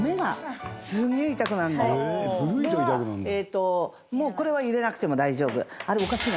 ではもうこれは入れなくても大丈夫。